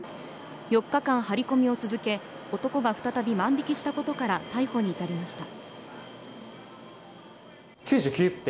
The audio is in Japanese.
４日間、張り込みを続け男が再び万引きしたことから逮捕に至りました。